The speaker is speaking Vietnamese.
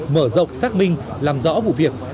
mở rộng xác minh làm rõ vụ việc